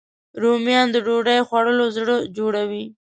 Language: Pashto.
رومیان د ډوډۍ خوړلو زړه جوړوي